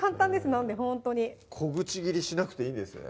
なんでほんとに小口切りしなくていいんですね